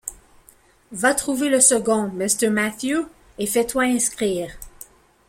Va trouver le second, Mr. Mathew, et fais-toi inscrire.